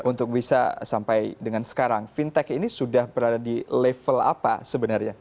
untuk bisa sampai dengan sekarang fintech ini sudah berada di level apa sebenarnya